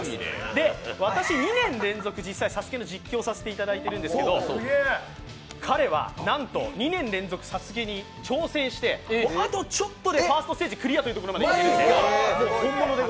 私、２年連続「ＳＡＳＵＫＥ」で実況させてもらってるんですけど、彼はなんと２年連続「ＳＡＳＵＫＥ」に挑戦してあとちょっとでファーストステージクリアというところまでいっているので。